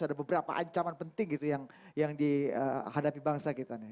ada beberapa ancaman penting gitu yang dihadapi bangsa kita nih